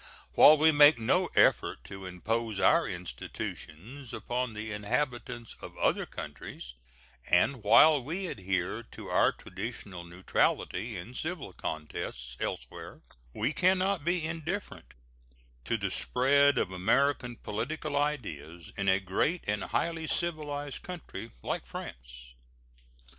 While we make no effort to impose our institutions upon the inhabitants of other countries, and while we adhere to our traditional neutrality in civil contests elsewhere, we can not be indifferent to the spread of American political ideas in a great and highly civilized country like France.